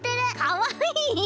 かわいい！